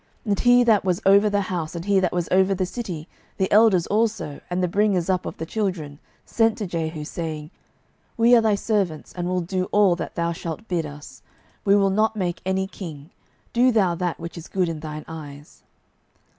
12:010:005 And he that was over the house, and he that was over the city, the elders also, and the bringers up of the children, sent to Jehu, saying, We are thy servants, and will do all that thou shalt bid us; we will not make any king: do thou that which is good in thine eyes.